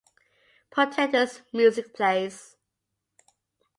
Portentous music plays.